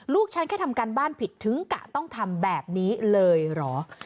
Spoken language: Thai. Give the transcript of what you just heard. ฉันแค่ทำการบ้านผิดถึงกะต้องทำแบบนี้เลยเหรอ